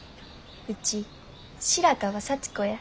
ウチ白川幸子や。